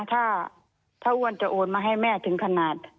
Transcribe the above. ถ้าอ้วนจะโอนมาให้แม่ถึงขนาด